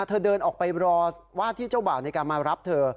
เธอเดินออกไปรอว่าที่เจ้าบ่าวในการมารับเธอ